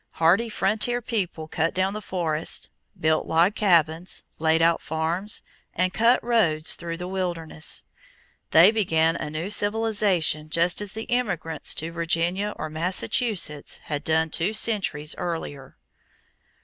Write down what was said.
Hardy frontier people cut down the forests, built log cabins, laid out farms, and cut roads through the wilderness. They began a new civilization just as the immigrants to Virginia or Massachusetts had done two centuries earlier.